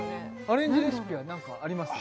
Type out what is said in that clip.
アレンジレシピは何かあります？